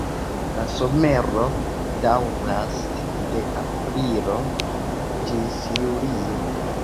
La somero daŭras de aprilo ĝis julio.